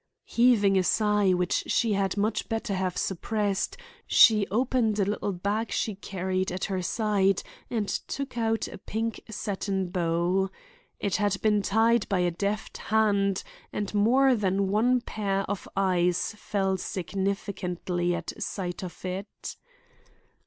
Heaving a sigh which she had much better have suppressed, she opened a little bag she carried at her side and took out a pink satin bow. It had been tied by a deft hand; and more than one pair of eyes fell significantly at sight of it.